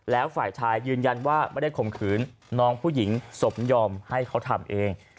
แล้วฝ่ายชายยืนยันว่าไม่ได้ข่มขืนน้องผู้หญิงสมยอมให้เขาทำเอง